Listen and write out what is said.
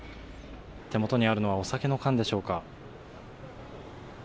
手元にあるのはお酒の缶でしょうか。